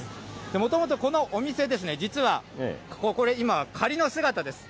もともとこのお店、実はこれ、ここ、今、仮の姿です。